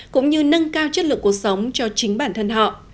cũng như nâng cao chất lượng cuộc sống cho chính bản thân họ